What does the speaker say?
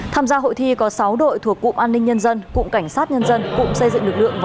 tham gia hội thi có sáu đội thuộc cụm an ninh nhân dân cụm cảnh sát nhân dân cụm xây dựng lực lượng